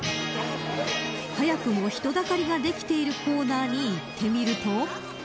早くも人だかりができているコーナーに行ってみると。